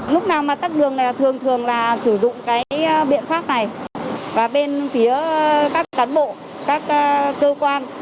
lúc nào mà tắt đường này thường thường là sử dụng cái biện pháp này và bên phía các cán bộ các cơ quan